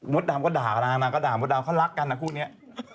ดำก็ด่ากันนะนางก็ด่ามดดำเขารักกันนะคู่นี้